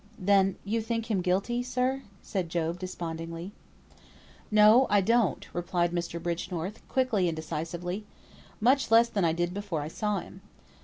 "Then you think him guilty, sir?" said Job, despondingly. "No, I don't," replied Mr. Bridgenorth, quickly and decisively. "Much less than I did before I saw him.